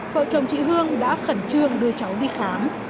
vợ chồng chị hương đã khẩn trương đưa cháu đi khám